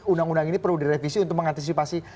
undang undang ini perlu direvisi untuk mengantisipasi